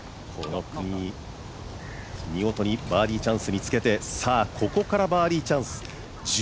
見事にバーディーチャンスにつけて、ここからバーディーチャンス。